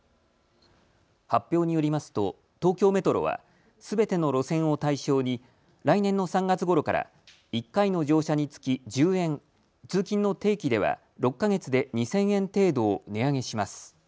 発表によりますと東京メトロはすべての路線を対象に来年の３月ごろから１回の乗車につき１０円、通勤の定期では６か月で２０００円程度を値上げします。